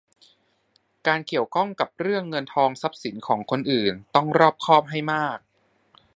การเกี่ยวข้องกับเรื่องเงินทองทรัพย์สินของคนอื่นต้องรอบคอบให้มาก